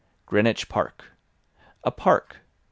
Greenwich Park. A park!